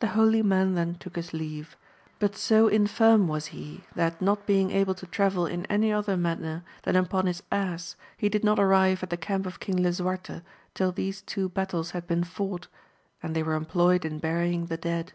The holy man then took his leave ; but so infirm was he, that not being able to travel in any other manner than upon his ass, he did not arrive at the camp of King Lisuarte till these two battles had been fought, and they were employed in burying the dead.